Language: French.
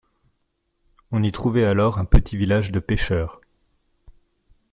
On y trouvait alors un petit village de pêcheurs.